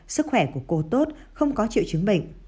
sức khỏe của cô tốt không có triệu chứng bệnh